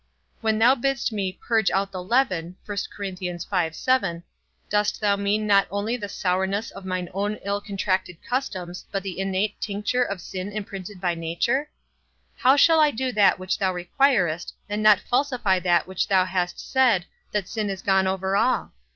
When thou bidst me purge out the leaven, dost thou mean not only the sourness of mine own ill contracted customs, but the innate tincture of sin imprinted by nature? How shall I do that which thou requirest, and not falsify that which thou hast said, that sin is gone over all?